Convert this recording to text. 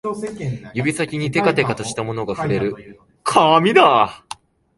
指先にてかてかとしたものが触れる、紙だ